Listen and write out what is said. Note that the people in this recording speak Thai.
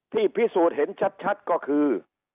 พิสูจน์เห็นชัดก็คือ